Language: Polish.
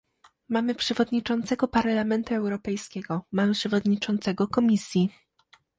Mamy przewodniczącego Parlamentu Europejskiego, mamy przewodniczącego Komisji